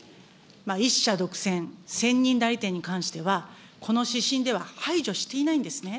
１社独占、専任代理店に関しては、この指針では排除していないんですね。